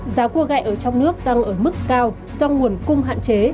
giá cua gại ở trong nước đang ở mức cao do nguồn cung hạn chế